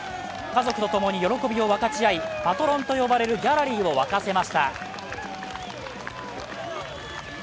家族と共に喜びを分かち合い、パトロンと呼ばれるギャラリーを沸かせました。